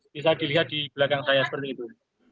bisa dilihat di belakang saya seperti itu